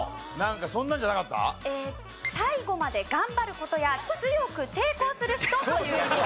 最後まで頑張る事や強く抵抗する人という意味が。